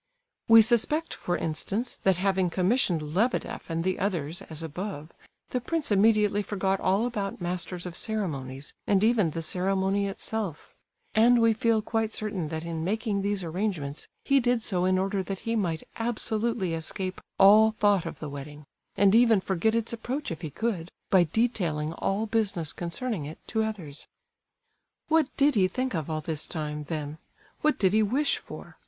We suspect, for instance, that having commissioned Lebedeff and the others, as above, the prince immediately forgot all about masters of ceremonies and even the ceremony itself; and we feel quite certain that in making these arrangements he did so in order that he might absolutely escape all thought of the wedding, and even forget its approach if he could, by detailing all business concerning it to others. What did he think of all this time, then? What did he wish for?